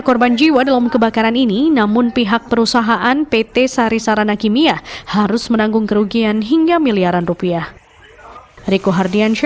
ada kebanyakan jiwa dalam kebakaran ini namun pihak perusahaan pt sarisarana kimia harus menanggung kerugian hingga miliaran rupiah